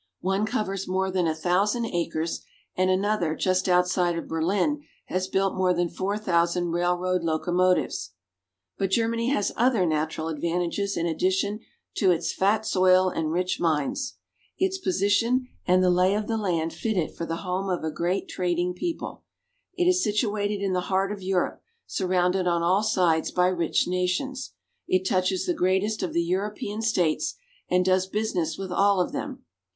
One covers more than a thousand acres, and another, just outside of Berlin, has built more than four thousand railroad loco motives. But Germany has other 'natural advantages in addition to its fat soil and rich mines. Its position and the lay of 1 88 GERMANY. the land fit it for the home of a great trading people. It is situated in the heart of Europe, surrounded on all sides by rich nations. It touches the greatest of the European states, and does business with all of them.